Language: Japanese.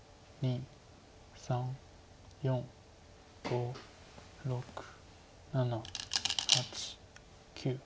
３４５６７８９。